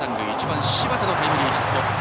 １番、柴田がタイムリーヒット。